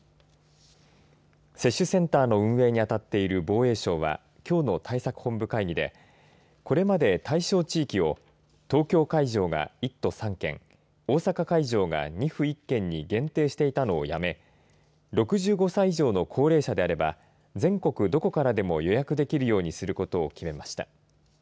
接種センターの運営にあたっている防衛省はきょうの対策本部会議でこれまで対象地域を東京会場が１都３県大阪会場が２府１県に限定していたのをやめ６５歳以上の高齢者であれば全国どこからでも予約できるようにすることを決めました。